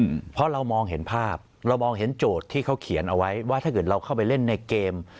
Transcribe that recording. อืมเพราะเรามองเห็นภาพเรามองเห็นโจทย์ที่เขาเขียนเอาไว้ว่าถ้าเกิดเราเข้าไปเล่นในเกม